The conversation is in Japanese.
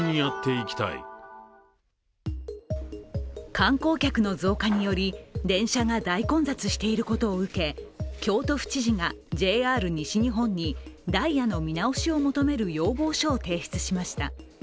観光客の増加により電車が大混雑していることを受け、京都府知事がＪＲ西日本にダイヤの見直しを求める要望書を提出しました。